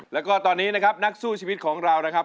แล้วก็ตอนนี้นะครับนักสู้ชีวิตของเรานะครับ